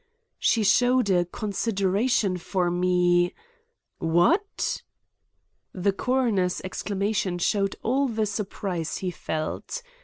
"She showed a consideration for me—" "What!" The coroner's exclamation showed all the surprise he felt.